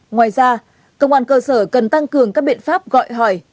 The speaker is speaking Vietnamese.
ngoài ra công an cơ sở cần tăng cường các biện pháp gọi hỏi